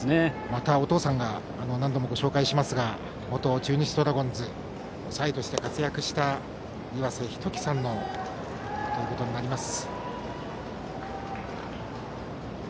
また、お父さんが何度もご紹介しますが元中日ドラゴンズで抑えとして活躍した岩瀬仁紀さんとなります。